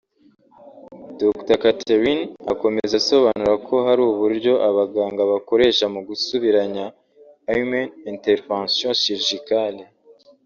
Dr Catherine akomeza asobanura ko hari uburyo abaganga bakoresha mu gusubiranya hymen(interventions chirurgicales)